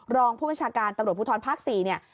รองผู้บัญชาการตำรวจภูทรภาค๔เนี่ย